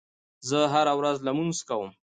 زه هره ورځ لمونځ کوم.